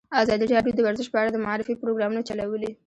ازادي راډیو د ورزش په اړه د معارفې پروګرامونه چلولي.